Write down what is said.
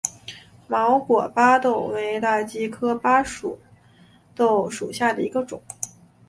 毛果巴豆为大戟科巴豆属下的一个种。